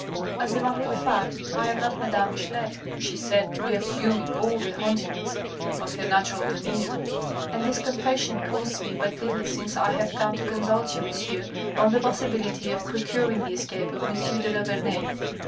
"As a matter of fact, I am not Madame Michelet," she said, reassuming all the haughtiness of her natural demeanour, "and this confession costs me but little since I have come to con sult you, monsieur, on the possibility of procuring the escape of M. de la Vernaye.